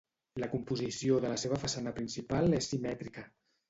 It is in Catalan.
La composició de la seva façana principal és simètrica.